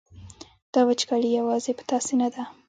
دا وچکالي یوازې په تاسې نه ده.